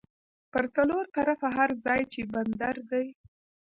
پر څلور طرفه هر ځای چې بندر دی